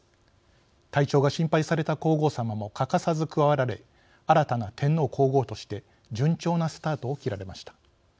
体調が心配された皇后さまも欠かさず加わられ新たな天皇皇后として順調なスタートを切られました。